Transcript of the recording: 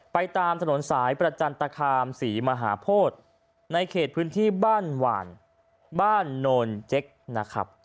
ไปตามสนแสนอกสายประจันตคาร์ม๔มหาพฤษที่บ้านหวานบ้านนท์โนอลเจ็กนะครับ